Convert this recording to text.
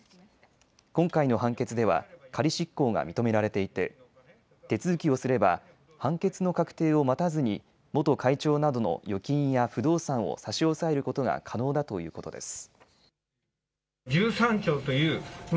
今回の判決では仮執行が認められていて手続きをすれば判決の確定を待たずに元会長などの預金や不動産を差し押さえることが可能だということです。